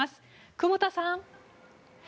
久保田さん。